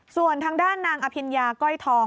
ส่วนทางด้านนางอภิญญาก้อยทอง